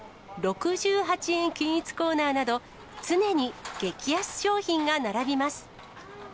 ６８円均一コーナーなど、常に激安商品が並びます。